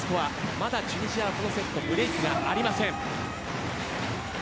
まだチュニジアはこのセットブレークがありません。